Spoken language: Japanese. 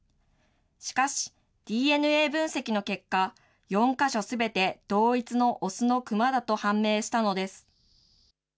しかし、ＤＮＡ分析の結果、４か所すべて同一の雄のクマだと判明したのです。